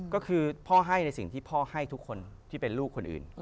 ก็คือพ่อให้ในสิ่งที่พ่อให้ทุกคนที่เป็นลูกคนอื่น